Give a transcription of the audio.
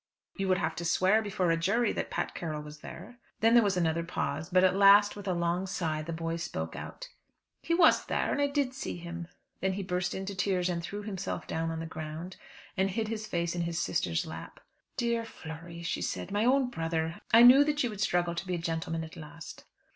"You would have to swear before a jury that Pat Carroll was there." Then there was another pause, but at last, with a long sigh, the boy spoke out. "He was there, and I did see him." Then he burst into tears and threw himself down on the ground, and hid his face in his sister's lap. "Dear Flory," said she. "My own brother! I knew that you would struggle to be a gentleman at last."